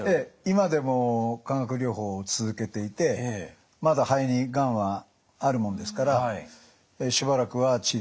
今でも化学療法を続けていてまだ肺にがんはあるもんですからしばらくは治療を。